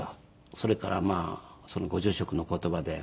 それからそのご住職の言葉でよしと。